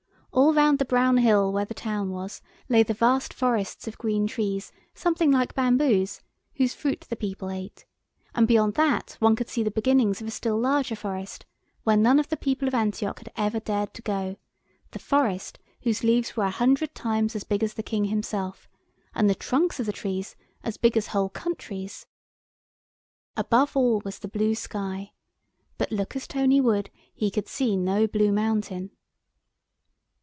All round the brown hill where the town was lay the vast forests of green trees, something like bamboos, whose fruit the people ate; and beyond that one could see the beginnings of a still larger forest, where none of the people of Antioch had ever dared to go—the forest, whose leaves were a hundred times as big as the King himself, and the trunks of the trees as big as whole countries. Above all was the blue sky—but, look as Tony would, he could see no blue mountain.